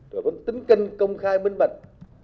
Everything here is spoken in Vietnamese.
rồi có tính kinh công khai minh bạch